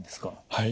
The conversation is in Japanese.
はい。